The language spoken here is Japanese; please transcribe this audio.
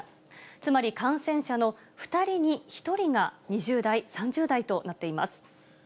つまり、感染者の２人に１人が２０代、３０代となっています。